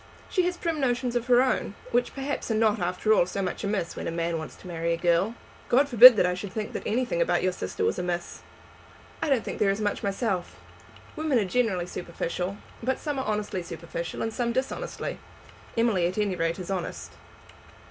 She has prim notions of her own, which perhaps are not after all so much amiss when a man wants to marry a girl." "God forbid that I should think that anything about your sister was amiss!" "I don't think there is much myself. Women are generally superficial, but some are honestly superficial and some dishonestly. Emily at any rate is honest."